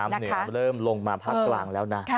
เหนือเริ่มลงมาภาคกลางแล้วนะ